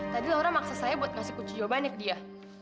tadi laura maksa saya buat ngasih kunci jawabannya ke dia